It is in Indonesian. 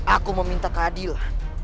aku meminta keadilan